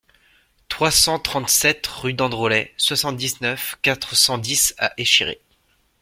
trois cent trente-sept rue d'Androlet, soixante-dix-neuf, quatre cent dix à Échiré